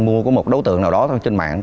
mua có một đối tượng nào đó thôi trên mạng